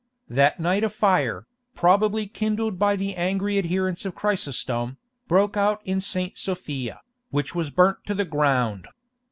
That night a fire, probably kindled by the angry adherents of Chrysostom, broke out in St. Sophia, which was burnt to the ground.